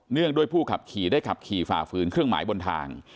งด้วยผู้ขับขี่ได้ขับขี่ฝ่าฝืนเครื่องหมายบนทาง